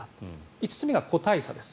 ５つ目が個体差です。